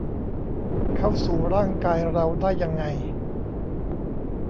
เข้าสู่ร่างกายเราได้ยังไง